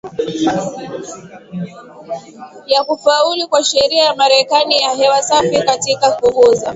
ya kufaulu kwa Sheria ya Marekani ya Hewa Safi katika kupunguza